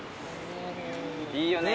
いいよね。